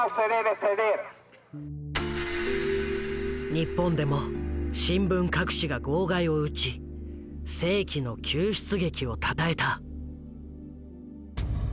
日本でも新聞各紙が号外を打ち世紀の救出劇をたたえた。